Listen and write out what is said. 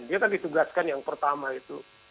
dia kan ditugaskan yang pertama itu